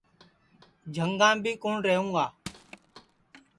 جھُنٚگام بھی کُوٹؔ رہوگا